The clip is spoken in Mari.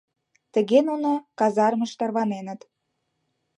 Тыге нуно казармыш тарваненыт.